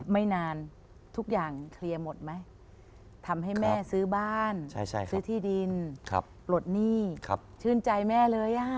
ไม่นานทุกอย่างเคลียร์หมดไหมทำให้แม่ซื้อบ้านซื้อที่ดินปลดหนี้ชื่นใจแม่เลย